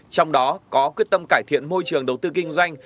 trong đó có quyết tâm cải thiện môi trường đầu tư kinh doanh